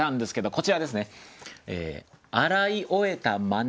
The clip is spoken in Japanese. こちらです。